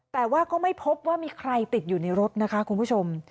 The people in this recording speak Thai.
แต่ว่าก็ไม่พบว่ามีใครติดอยู่ในรถนะคะคุณผู้ชม